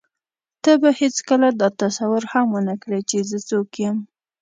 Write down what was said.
ته به هېڅکله دا تصور هم ونه کړې چې زه څوک یم.